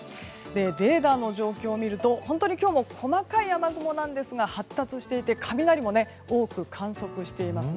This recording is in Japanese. レーダーの状況を見ると本当に今日も細かい雨雲なんですが発達していて雷も多く観測しています。